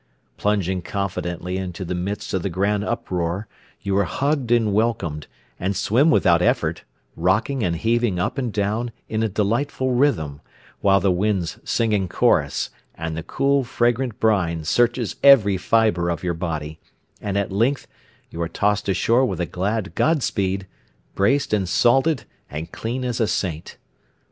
Plunging confidently into the midst of the grand uproar you are hugged and welcomed, and swim without effort, rocking and heaving up and down, in delightful rhythm, while the winds sing in chorus and the cool, fragrant brine searches every fiber of your body; and at length you are tossed ashore with a glad Godspeed, braced and salted and clean as a saint.